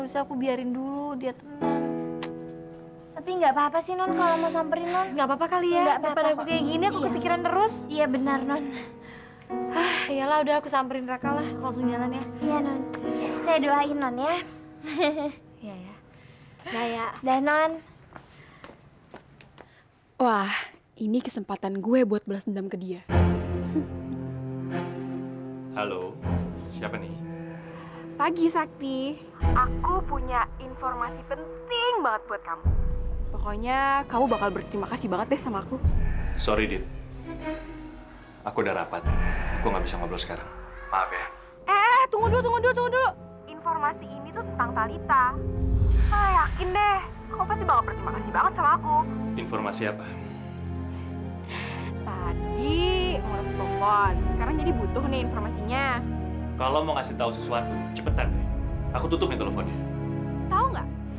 sekarang jadi butuh nih informasinya kalau mau ngasih tahu sesuatu cepetan aku tutupin